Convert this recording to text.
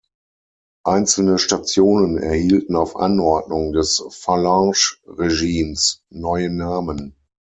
Einzelne Stationen erhielten auf Anordnung des Falange-Regimes neue Namen.